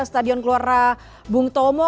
stadion keluara bung tomo